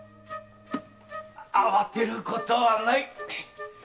慌てることはない。